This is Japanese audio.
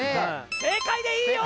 正解でいいよ！